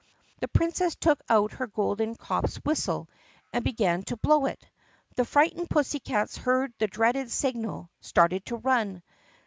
The Princess took out her golden cop's whistle and began to blow it. The frightened pussycats, hearing the dreaded sig nal, started to run.